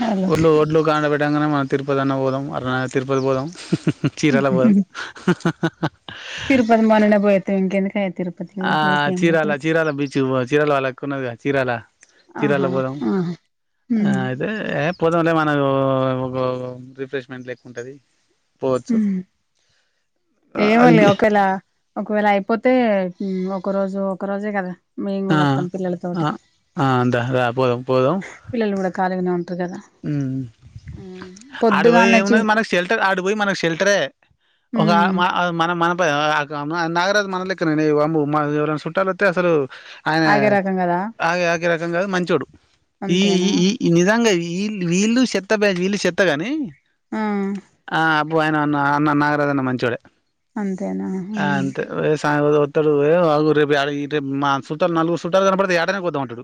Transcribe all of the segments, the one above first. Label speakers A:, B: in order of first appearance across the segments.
A: Hello
B: ఉళ్ళు ఒళ్ళు కాండబ పెట అ మా తిరుపతి అన్న పోదం అరనా తిరుపతి పోదం చీరాల పోదాం
A: తిరుపతి మొన్ననే పోయొత్తిమి ఇంకెందుకే తిరుపతికి
B: ఆ
A: ఊకే ఊకే ఏం
B: చీరాల
A: పోతాం
B: చీరాల బీచ్ు చీర వళ్ాల కొన్నచ్చ చీరాల చీరాాల
A: ఆహా
B: పోదాం ఆ
A: ఉమ్
B: అయితే ఏ పోదాంలే మా ఒక రిఫ్రెష్మెంట్ లేక్కు ఉంటది పోవచ్చు
A: ఉమ్
B: అది
A: ఏమోలే
B: బి
A: ఒకేలా ఒకవేళ అయిపోతే ఉమ్ ఒక రోజు ఒక రోజే కదా మేము
B: ఆ
A: కూడా వత్తాం
B: ఆ
A: పిల్లలతోటి
B: ఆ ఆంతే రా పోదం పోదం
A: ఖాలీగనే ఉన్
B: ఉమ్మ్ అడపోయ్
A: పొద్దుగాల్నే చి
B: ఏమున్నది మనం సెల్టర్ అడ పోయి మన షెల్టరే ఒక
A: ఉమ్
B: మా మన మన [unintelligible] నాగరాజు మనలేక్కనే వామ్మో మా ఎవరనా చుట్టాలొత్తే అసలు ఆయన
A: ఆగే రకం కదా
B: ఆగే ఆకే రకంగ కాదు మంచోడు ఈ
A: అంతేనా
B: ఈ నిజంగా ఈళ్ళు వీళ్ళు చెత్త బ్యొ వీళ్ళు చెత్త గాని
A: ఆ
B: ఆ ప్పు ఆయనన్న అన్న నాగరాజన్న మంచోడే
A: అంతేనా
B: ఆ అంతే [unintelligible] టరు ఏ ఆగు రేపు యాడ ఈ రేపు మా సుట్టాలు నలుగురు సుటైటాలు కనపడదితే యాటనే కోద్దాం అంటాడు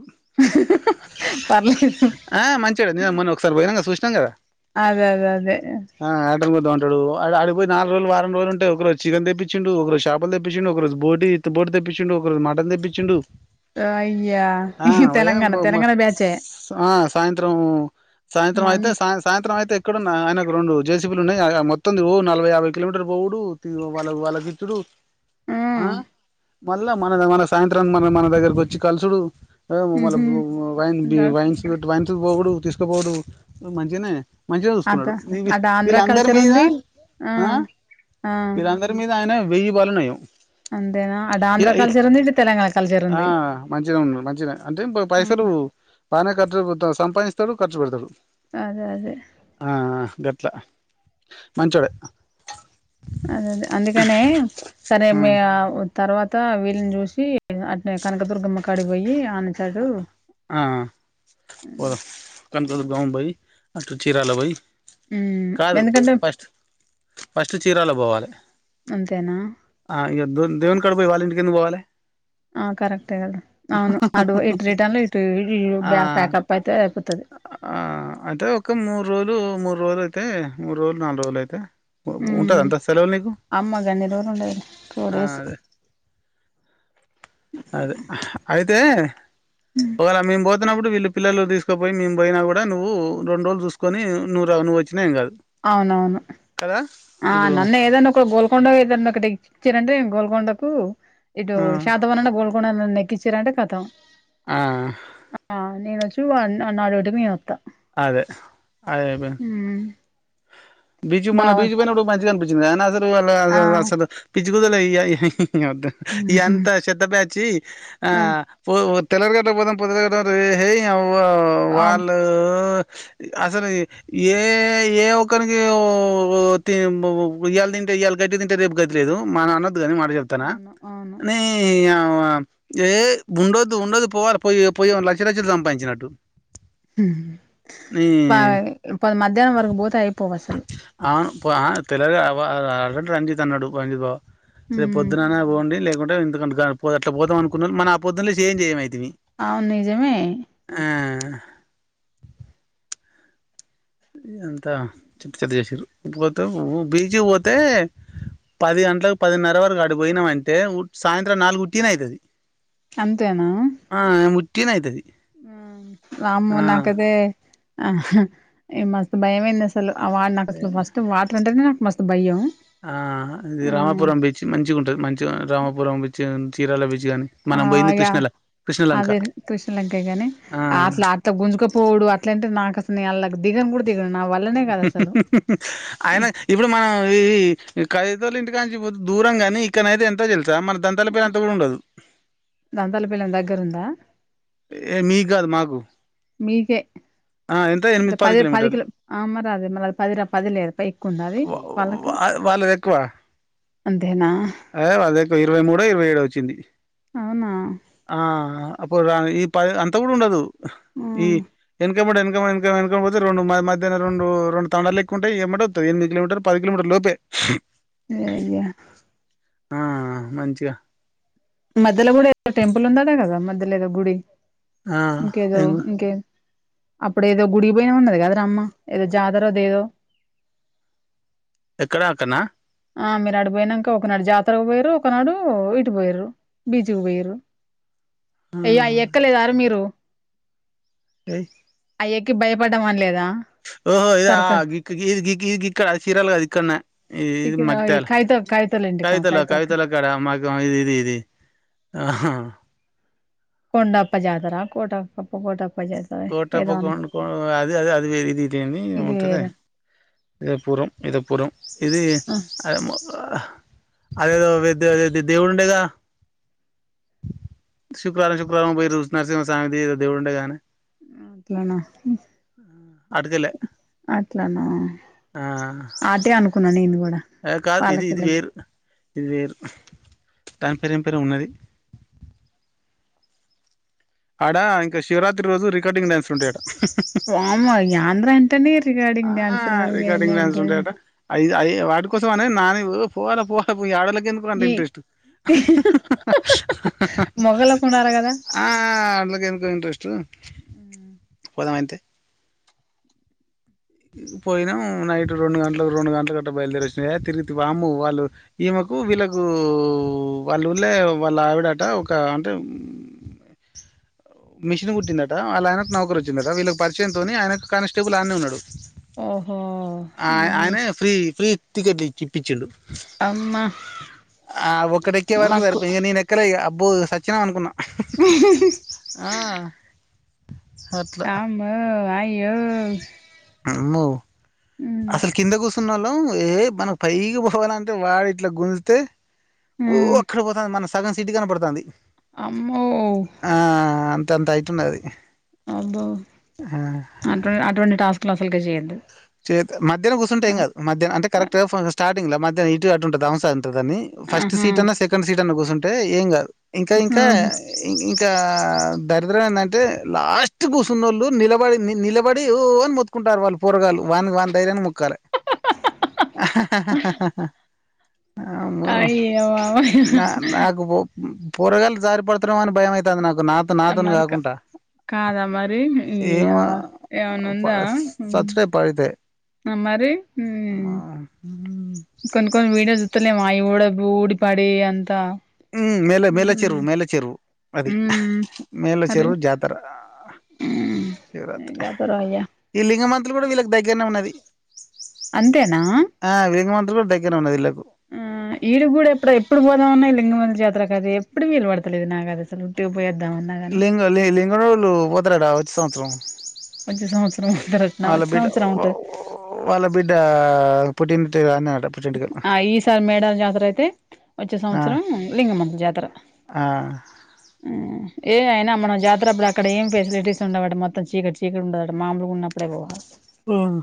A: పర్లేదు
B: [inaudible] రమ్మని ఒకసారి పోయి నంగా సూసినాం కదా
A: అదే అదే అదే
B: ఆ యాటని కొద్దాం అంటాడు వాడు ఆడికిపోయి నాలుగు రోజలు వారం రోజులుంటే ఒకరోజు చికన్ తెప్పిచ్చిండు ఒకరోజు చాపలు తెప్పిచ్చిండు ఒకరోజు బోటి బోటీ తెప్పిచ్చిండు ఒకరోజు మటన్ తెప్పిచ్చిండు
A: అయ్యా ఈ
B: ఏ
A: తెలంగాణ తెలంగాణ బ్యాచే
B: ట్రం సాయంత్రం
A: మన్
B: అయితే సా సాయంత్రం అయితే ఎక్కడున్నా ఆయన రొండు జే సీ బి లు ఉన్నాయిగా అ ఆ మొత్తంది ఓ నలభై యాభై కిలోమీటర్లు బొవుడు తిర్ వాళ్ళ వాళ్ళకిిచ్చుడు ఆ
A: ఉమ్
B: మళ్ళా మనద మన సాయంత్రం మన మన దగ్గరకి వచ్చి కలుసుడు
A: ఉహు
B: [inaudible] బి
A: ద
B: వైన్స్ పెట్ వైన్ [inaudible] పోవుడు తీసుకపోవుడు మంచిగనే మంచిగా
A: అద
B: చూసుకున్నడు
A: అటు
B: [inaudible]
A: ఆంధ్ర
B: వీళ్ళందరి
A: కల్చర్
B: మీద
A: ఉంది
B: ఆ
A: ఆ
B: వీళ్ళందరి మీద ఆయన వెయ్యి వాళ్ళు నయం
A: అంతేనా అటు
B: ఇద
A: ఆంధ్ర
B: ఇద్
A: కల్చర్ ఉంది ఇటు తెలంగాణ కల్చర్
B: ఆ
A: ఉంది
B: మంచిగనే ఉన్నం మంచిగనే అంటే ఇపుడ్ పైసలు బాగానే ఖర్చు పోతాస్ సంపాయిస్తాడు ఖర్చు పెడతాడు
A: అదే అదే
B: ఇహట్ల మంచోడే
A: అదదే అందుకనే సరే మీ
B: ఉమ్,
A: అవ్ తర్వాత వీళ్ళని చూసి అట్నే కనకదుర్గమ్మ కాడికిపొయ్యి ఆ
B: ఆ ఆ పోదాం కనకదుర్గమ్మబోయి అటు చిరాలవబోయి
A: ఉమ్ ఎందుకంటే
B: ఫస్ట్ చీరాల పోవాలే
A: అంతేనా
B: ఆ ఇగ దోన్ దేవున్ కడకి పోయి వాళ్ళింటి ఎందుకు పోవాలే
A: ఆ కరక్టెగదా అవును అడు
B: ఆ
A: ప్యాకప్ అయితే అయిపోతది
B: ఆ అంటే ఒక మూడు రోజులు మూడ్ రోజులు అయితే మూడు రోజులు నాలుగు రోజులు అయితే ఉ ఉంటదా
A: ఉమ్
B: అంతా సెలవుల్ నీకు
A: అమ్మ గన్ని రోజులు ఉండదులే టూ
B: ఆ
A: డేస్
B: అదే అదే హ్ అయితే ఒవేళ మేంబోత్ వచ్చినప్పుడు వీళ్ళు పిల్లలు తీసుకపోయి మేమ్ పోయినా కూడా నువు రోండ్రోజులు చూసుకొని నువ్వురా నువ్ వచ్చినా ఏం కాదు
A: అవునవును
B: కదా
A: ఆ
B: ఇప్పుడు
A: నన్నె ఏదన్న ఒక గోల్కొండ ఏదన్న ఒకటి చ్చిరంటే గోల్గొండకు ఇటు
B: ఆ
A: శాతవనణ గోల్ కొండకు నన్నెక్కించ్చిరంటే కతం
B: ఆ
A: [unintelligible] రోడ్డుమీదోత్తా
B: అదే అదే [unintelligible] బీచు మన
A: బావ
B: బీచ్కి పోయి అప్పుడు మంచిగానిపించింది అయిన అసలు వాళ్ళు
A: ఆ
B: అసలు అసలు పిచ్చి కుక్కలైయ్యాయి ఇగ వద్దు ఈ అంత శత్త బ్యాచి ఆ పో ఓ [unintelligible]
A: అవు
B: వా-వాళ్ళు అసలు ఏ ఏ ఏ ఒకనికి తి ఇయ్యల తింటే ఇయ్యాల గడ్డి తింటే రేపు గతి లేదు మన అనంత [unintelligible] మాట చెప్తానా
A: అవును అవును
B: నీ యా ఆ ఏ ఉండోదు ఉండోదు పోవాలి పోయి పోయి లక్ష లక్షులు సంపాదించినట్టు
A: ఉమ్
B: నీ
A: హు ప-మధ్యాహ్నం వరకు పోతే అయిపోవు అసలు
B: తెలవది గా అ అ ఆల్రెడీ రంజిత్ అన్నడు రంజిత్ బావ రేపు
A: ఉమ్
B: పొద్దుననే పోండి లే అట్లా పోదాం అనుకున్నారు మన ఆ పోదున్న లేసి ఏం
A: అవును నిజమే
B: ఆ అంత చెత్త చెత్త చేసిరు పోతే బీచ్కి పోతే పది గంటలకు పదిన్నర వరకు అడి పోయినామంటే సాయంత్రం నాలుగు ఉట్టిగానే ఐతది
A: అంతేనా
B: ఉట్టిగానే అయితది.
A: వామ్మో
B: ఆ
A: నా కదే ఆ ఏ మస్తు భయమైంది అసలు ఆ వాడు నాకు
B: ఏ
A: అసలు ఫస్ట్ వాటర్ అంటేనే మస్తు భయం
B: ఆ ఇది
A: హ్మ్.
B: రామపురం బీచ్ మంచిగా ఉంటది మంచి రామపురం బీచ్ చీరాల బిచ్
A: ఆ అయా అదే కృష్ణ లంకయ్య గాని
B: ఆ
A: అట్లా అ గుంజుకపోడు అట్లంటే నాకు అసలు దిగా
B: అయిన ఇప్పుడు మనం ఈ ఇంటి కాని దూరం కాని ఇక్కడనైతే ఎంత మన దంతాల పేరు అంత కూడా ఉండదు.
A: దాంతలపిల్లం దగ్గర ఉందా
B: ఏ మీగదు మాకు
A: మీకే
B: ఆ ఎంత ఎనిమిది
A: పది పది
B: కిలోమీటర్లు
A: కిలో అ మరా అదే మరి పదిరా పది లేదు ప ఎక్కువ ఉండది వాళ్ళకి
B: వా వాళ్ళది ఎక్కువ
A: అంతేనా
B: అదే వాళ్ళది ఎక్కువ ఇరవై మూడో ఇరవై ఏడో వచ్చింది
A: అవునా
B: ఆ అప్పుడు ఈ పది అంతా కూడా ఉండదు. ఈ ఏన్కాై మం క పోతే రెండు మధహ్ం రెడు రెండు తడాలు ఎక్కుంటాయి ఏమ అవుంది ఎనిమిది కిలోమీటర్ ప కిలోమీటర్ లోపే
A: అగే
B: ఆ మంచిగా
A: మధ్యలో గు టెంపుల్ ఉందాడా కదా మధ్యలోద గుడి
B: ఆ
A: ఇంకేద
B: ఏం
A: ఇంకే అప్పుడు ఏదో గుడి పోయినా ఉన్నది కదా రమ్మ ఏదో జాతరద ఏదో
B: ఎక్కడక
A: ఆ మీరు ఆడిపోయినాక ఒకనాడు జాతరకు పోయారు ఒకనాడు ఇటు పోయారు బిజు వేరు అయ్య ఎక్కలేదార మీరు
B: ఏయి
A: ి భయపడడం అనిలేదా
B: ఓహో ఇది ఇ ఇక్కడ చీరలు కద ఇక్కడనే ఇది
A: చికెన్
B: మగతాల
A: కైతో కైతోలేండి
B: కవితల
A: కైతో
B: కవితల అక్కడ మగ ఇ ఇది ఇది ఆహా
A: కొండపాజతరా కోట కోట
B: కోట పకం అది అది అదిే ఇదిద
A: ఇది
B: ఉంటది
A: వేరే
B: ఇదేపుూరం ఇదేపుూరం ఇది ఆ అదేదో దేవుడుండేగా శుక్రవారం శుక్రవారం పోయి నరసింహ స్వామిదిదో దేవుడుండే గానే
A: అట్లానా
B: అటుకెళ్ళే
A: అట్లానా
B: ఆ
A: ఆటే అనుకున్నా నేను కూడా
B: కాదు ఇది ఇది
A: పాలపిల్లలు
B: వేరు ఇది వేరు దాని పేరేం పేరో ఉన్నది ఆడ ఇంకా శివరాత్రి రోజు రికార్డింగ్ డ్యాన్స్ ఉంటాయి ఆట
A: వామ్మో యాండ్రంటేనే రికార్డింగ్ డ్యాన్స్ లో గాయాన్ని ఉంటయ
B: అది అది వాటి కోసం అనే నాని పో పో పోవలె ఆడాళ్లకి ఎందు అంటే
A: ఈ
B: ఇంట్రెస్ట్
A: మొగలకు ఉండాలి కదా
B: అకి ఎందుకో ఇంట్రెస్ట్ పోదాం అంతే పోయినాం నైట్ రెండు గంటలకు రెండు గంటల గట్ట బయలుదేరి వచ్చినంది తిరుగి అమ్ము వాళ్ళు ఈమెకు వీళ్ళకు వాళ్ళు ఉళ్ళే వాళ్ళ ఆవిడట ఒక అంటే మిషన్ కుట్టిందట అలాయన నౌకరు వచ్చిందట వీళ్ళకి పరిచయంతోో ఆయన కానిస్టేబుల్ అన్నే ఉన్నాడు
A: ఓహో అమ్మా
B: ఆయనే ఫ్రీ ఫ్రీ టికెట్ చిిప్పిించుడు
A: అమ్మా
B: ఆ ఒక్కడెక్కే వరకు
A: లక్కు
B: సరిపో నేన్ ఎక్కలే ఇగ అబ్బో సచ్చినం అనుకున్నాం
A: ఆ
B: ఆ అట్లా
A: వామ్మో అయ్యో
B: అమ్మో
A: ఉమ్
B: అసలు కింద కూర్చున్న వాళ్ళం ఏ మనం పైకి పోవాలంటే వాడు ఇట్లా గుంజితే ఓ
A: ఉమ్
B: అక్కడపోతంది మనం సగం సిటీ కనపడుతుంది
A: అమ్మో
B: అంతాయేతున్నది ఉన్నది
A: అబ్బో అటువంటి టాస్క్లు ఫుల్ గా చెయ్యద్దు
B: చేద్దాం మధ్యలో కూర్చంటే ఎం కాదు మధ్య
A: ఆ
B: కరెక్ట్ గా స్టార్ట్ మధ్య ఇటు అటూ ఉంటది అని ఫస్ట్
A: ఆహా
B: సీట్ అ సెకండ్ సీట్ అ కూర్చుమ్ అంటే ఏం కాదు ఇంకా
A: ఉహు
B: ఇంకా అ ఇంక్ ఇంత దరిద్రం ఏంటంటే లాస్ట్ కూర్సున్నోళ్ళు నిలబడి నిలబడి ఓ అన్ని మొత్తుకుంటారు వాళ్ళు పొరగాలు వన్ వన్ంతైరె ము కరే ము
A: అయ్యో బాబోయ్
B: నా నాకు పోరగాళ్లు జరిపాడతారేమో అని భయమ అయితంది నాకు నాతో
A: అ
B: నాతోని
A: మరికా
B: కాకుండా
A: కాదా మరి
B: ఏమో ప
A: ఎవనుందా
B: సచ్చుడే పడితే
A: ఆ మరి
B: అమ్మా
A: మ్
B: మ్మ్
A: కొన్ని కొన్ని వీడియో లు చూస్తలేము అయి కూడ ద్ ఊడిపడి అంతా
B: హ మేల
A: ఉమ్
B: మేలచెరువు మేలచెరువు అది
A: ఉమ్ మరి
B: మేలచెరువు జాతర
A: ఉమ్ ఏం
B: శివరాత్రి
A: చేత్తరో అయ్యా
B: ఈలింగమంత కూడా వీళ్ళ దగ్గరనే ఉన్నది
A: అంతేనా
B: టూ దగ్గరవున్నది లే
A: ఎదో ఉన్నాయి లింగమం జాతర అది ఎప్పుడు విలుపడతలేదు నా అది అసల్
B: లింగ లింగడుళ్ళు పోతారాంట వచ్ సంవచ్రం
A: వచ్చే సంవత్సరం ఉంట రట్న వచ్చ సంవత్సరం ఉంటది
B: డా పుత్తింట్ అన్నారు
A: ఆ ఈసారి మేడాల జాతర అయితే వచ్చే
B: ఆ
A: సంవత్సరం లింగమంతల జాతర
B: ఆ
A: ఏ అయినా మనం జాతర అప్పుడు అక్కడ ఏం ఫెసిలిటీస్ ఉండవట మొత్తం చీకటి చీకటి ఉండదట మామూలుగా ఉన్నప్పుడే పోవాలి
B: ఓ [inaudible]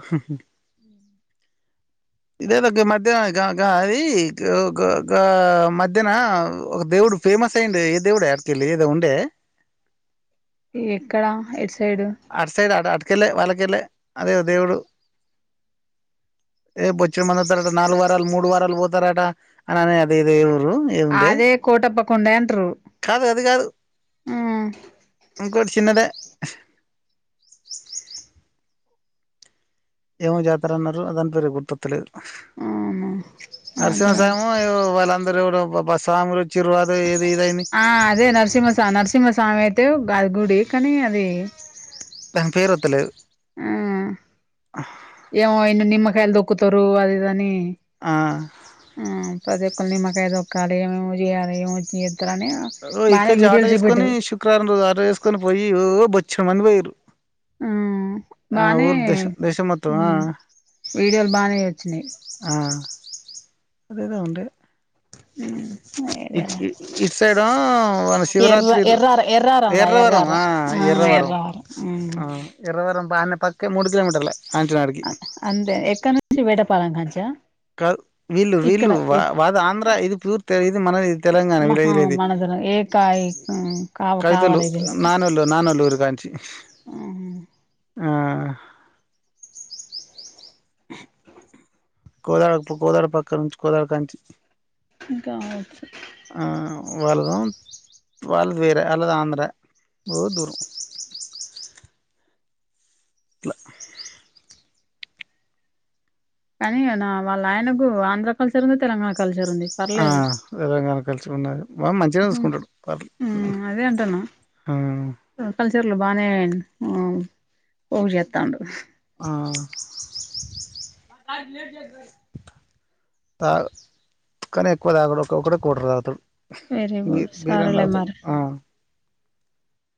B: ఇదేదో గ మధ్య గ గ అది గో గ గ మధ్యన ఒక దేవుడు ఫేమస్ అయ్యిండే ఏ దేవుడు ఎ అడికేళ్ళి ఏదో ఉండే
A: ఎక్కడ ఎట్
B: ఆట్ సైడ్ అడ అట్కలే వాళ్ళకలే అదేవ్ దేవుడు ఏ బొచ్చ మలత్తరలే నాల్గవ తల్ మూడు వారాలు పోతారట అని అనే ఆది ఇది ఊరు ఏముండే
A: అదే కోటప్పకొండె అంటరు
B: కాదు అది కాదు
A: అ
B: ఇంకోటి [inaudible] ఏమో జాతర అన్నారు అదంత రేపు గుర్త వోత్తలేదు
A: అవునా నాకు
B: నరసింహ
A: కూడా
B: స్వామి ఏదో వల్లన్ ఇతరు ఎవడబ్బ బా స్వాములు ఎచ్చిరు అదే ఇదే ఏ [unintelligible]
A: ఆ అదే నరిసిమ్మ స్వామి నరిసిమ్మ స్వామి తేవ్ బాగ్ గుడి కానీ అది
B: దాని పేరు వత్తలేదు
A: అ ఏమో ఎన్ను నిమ్మకాయల దో కుతరు అది ఇది అని
B: అ
A: ప్రతిఒక్కలు నిమ్మకాయ దొక్కాలి ఏమోమో చేయాలి ఏమో చేస్తారని
B: ఓ
A: బానే
B: ఇక్కడ్జ
A: వీడియోలు
B: ఆటో
A: చూపెట్టు
B: ఏసుకొని శుక్రవారం రోజు ఆటో ఏసుకొని పోయి ఓ బొచ్ మంది పోయిరు
A: ఉమ్ బానే
B: దేశం మొత్తం ఆ
A: హ్మ్ వీడియోలు బానే వచ్చినాయి
B: ఆ అదేదో ఉండే
A: హ్మ్
B: ఇట్ ఇట్ ఇట్ సైడ వల్ల
A: ఎర్ర
B: శివరాత్రి
A: ఎర్రారం ఎర్రారం రా
B: ఎర్రవరం
A: ఎర్రారం
B: అ
A: ఆ
B: ఎర్రవరం
A: ఎర్రారం మ్
B: అ ఎర్రవరం వాన పక్కే మూడు కిలోమీటర్లే ఆంచనాడికి
A: అంతే ఎక్కడ నుంచి వేడపాలెం కంచా
B: కద్ వీళ్ళు వీళ్ళు వా వాద ఆంధ్ర ఇది పూర్తి ఇది మన ఇది తెలంగాణ
A: మహా
B: వీళ్ళది
A: మనదుర ఏ కాయ కావ
B: కవితలు
A: కావాలి ఇది
B: నానోళ్ళు నానోళ్లురు కాంచి ఆ అ
A: [inaudible]
B: కోదారి కోదారి పక్క నుంచి కోదారికాంచి
A: ఇంక అవచ్చు
B: వాళ్ళ వాళ్ళది వేరే అలది ఆంధ్ర ఓ దూరం ట్ల
A: కానీ నా వాళ్ళ ఆయనకు ఆంధ్ర కల్చర్ ఉంది తెలంగాణ కలిసర్ ఉంది
B: ఆ
A: పర్లేదు
B: తెలంగాణ కలిసి ఉన్నది వాడు మంచిగానే చూసుకుంటాడు పర్లే
A: అ అదే అంటన కల్చర్లు బానే ఉమ్ పోగుజేత్తా ఉండు
B: ఆ తాగ్ కానీ ఎక్కువ తాగడు బక్కటే క్వటర్ తాగుతాడు బీ
A: వెరీగుడ్
B: బీర్
A: సరె
B: అని
A: లే మరి
B: తాగుతాడు